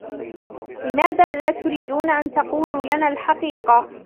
لماذا لا تريدون أن تقولوا لنا الحقيقة؟